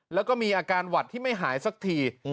แล้วก็มีอาการหวัดที่ไม่หายสักที